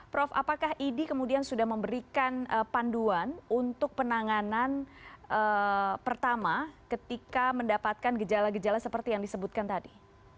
prof apakah idi kemudian sudah memberikan panduan untuk penanganan pertama ketika mendapatkan gejala gejala seperti yang disebutkan tadi